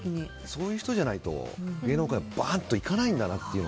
そういう人じゃないと芸能界をばっといかないんだなと。